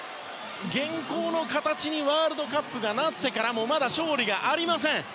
現行の形にワールドカップがなってからもまだ勝利がありません。